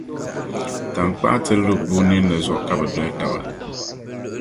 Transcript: Taŋkpaɣu ti lu bua nin’ ni zuɣu ka bɛ doli taba.